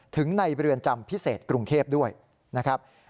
ถึงในบริเวณจำพิเศษกรุงเคพด้วยนะครับ